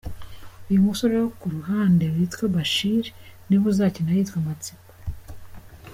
Uyu musore wo ku ruhande yitwa Bashir, niwe uzakina yitwa Matsiko.